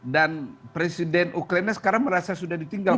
dan presiden ukraina sekarang merasa sudah ditinggalkan